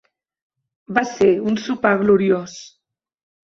Va ser un sopar gloriós.